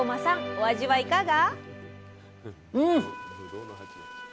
お味はいかが？